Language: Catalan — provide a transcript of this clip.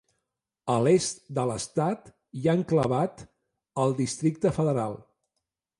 A l'est de l'estat hi ha enclavat el Districte Federal.